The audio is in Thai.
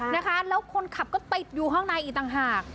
นะคะแล้วคนขับก็ติดอยู่ข้างในอีกต่างหาก